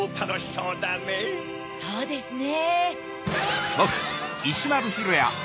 そうですね！